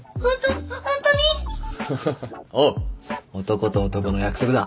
男と男の約束だ。